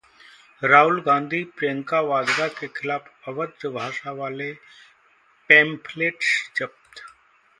राहुल गांधी, प्रियंका वाड्रा के खिलाफ अभद्र भाषा वाले पैंफलेट्स जब्त